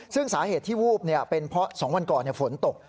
ซึ่งสาเหตุที่วู่บเนี่ยเป็นเพราะสองวันก่อนเนี่ยฝนก็ตก